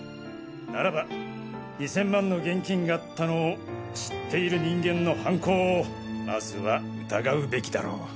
ならば２０００万の現金があったのを知っている人間の犯行をまずは疑うべきだろう。